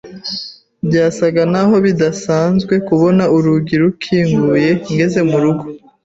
Byasaga naho bidasanzwe kubona urugi rukinguye ngeze murugo.